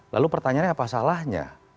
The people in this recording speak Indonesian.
lalu pertanyaannya apa salahnya